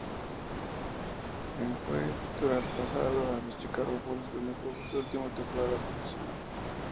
En fue traspasado a los Chicago Bulls, donde jugó su última temporada como profesional.